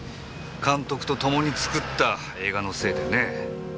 監督とともに作った映画のせいでね。